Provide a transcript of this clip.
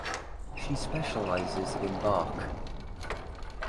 She specialises in Bach.